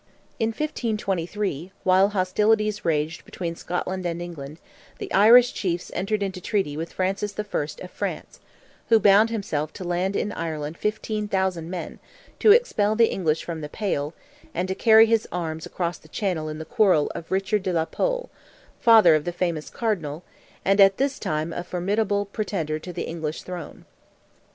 In 1523, while hostilities raged between Scotland and England, the Irish Chiefs entered into treaty with Francis the First of France, who bound himself to land in Ireland 15,000 men, to expel the English from "the Pale," and to carry his arms across the channel in the quarrel of Richard de la Pole, father of the famous Cardinal, and at this time a formidable pretender to the English throne.